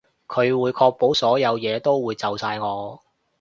佢會確保所有嘢都會就晒我